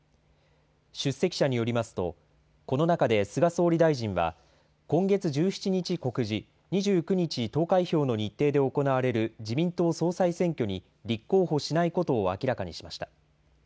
出席者によりますと、この中で菅総理大臣は、今月１７日告示、２９日投開票の日程で行われる自民党総裁選挙に立候補しないことを明らかにしました。